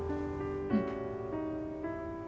うん。